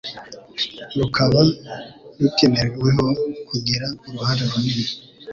rukaba rukeneweho kugira uruhare runini